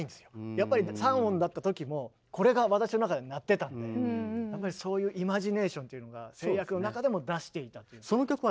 やっぱり３音だった時もこれが私の中で鳴ってたんでやっぱりそういうイマジネーションっていうのが制約の中でも出していたという。